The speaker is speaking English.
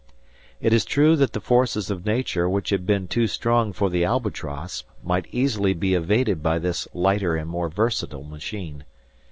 It is true that the forces of Nature which had been too strong for the "Albatross," might easily be evaded by this lighter and more versatile machine.